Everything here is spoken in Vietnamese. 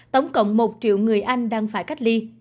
tổng cộng một triệu người anh đang phải cách ly